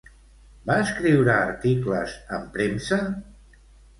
Va escriure articles en premsa?